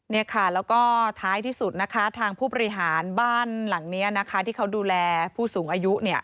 นี่ค่ะแล้วก็ท้ายที่สุดนะคะทางผู้บริหารบ้านหลังนี้นะคะที่เขาดูแลผู้สูงอายุเนี่ย